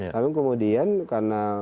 tapi kemudian karena